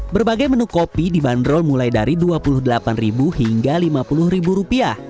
berbagai menu kopi dibanderol mulai dari rp dua puluh delapan hingga rp lima puluh